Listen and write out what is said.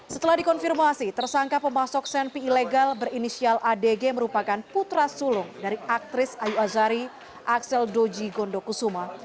setelah dikonfirmasi tersangka pemasok senpi ilegal berinisial adg merupakan putra sulung dari aktris ayu azari aksel doji gondokusuma